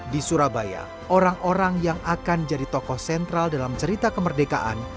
di surabaya orang orang yang akan jadi tokoh sentral dalam cerita kemerdekaan